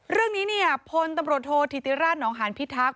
เรื่องนี้เนี่ยพลตำรวจโทษธิติราชนองหานพิทักษ